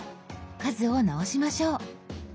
数を直しましょう。